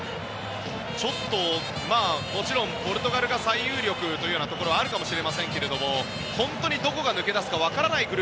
もちろんポルトガルが最有力というところはあるかもしれませんが本当にどこが抜け出すか分かりませんね。